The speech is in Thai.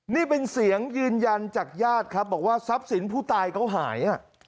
นี่เป็นเสียงยืนยันจากญาติครับบอกว่าทรัพย์สินผู้ตายเขาหาย